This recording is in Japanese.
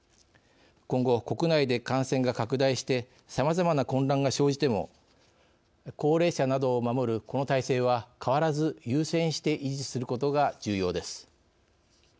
今後、国内で感染が拡大してさまざまな混乱が生じても高齢者などを守るこの体制は変わらず優先して維持することが重要です。